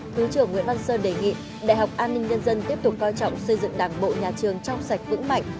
thứ trưởng nguyễn văn sơn đề nghị đại học an ninh nhân dân tiếp tục coi trọng xây dựng đảng bộ nhà trường trong sạch vững mạnh